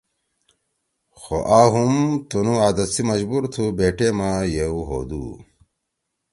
خو آ ہوم تُنو عادت سی مجبور تھو بے ٹیما یؤ ہودو